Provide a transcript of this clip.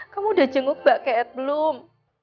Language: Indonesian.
kamu udah jenguk mbak keet belum